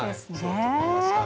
そうだと思います。